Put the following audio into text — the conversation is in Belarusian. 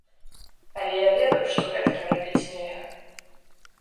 Але я ведаў, што гэтага рабіць нельга.